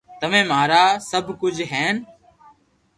تمي مارا سب ڪوجھ ھين